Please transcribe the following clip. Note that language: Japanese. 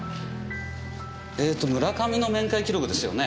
えーと村上の面会記録ですよね？